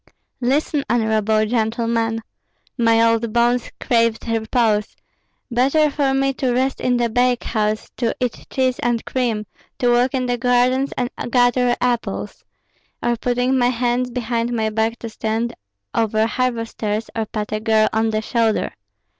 "Listen, honorable gentlemen. My old bones craved repose; better for me to rest in the bakehouse, to eat cheese and cream, to walk in the gardens and gather apples, or putting my hands behind my back to stand over harvesters or pat a girl on the shoulder.